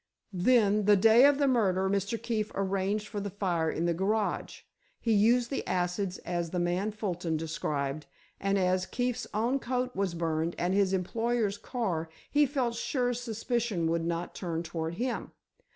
Then, the day of the murder, Mr. Keefe arranged for the fire in the garage. He used the acids as the man Fulton described, and as Keefe's own coat was burned and his employer's car he felt sure suspicion would not turn toward him.